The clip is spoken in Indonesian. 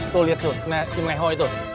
tuh liat tuh si meho itu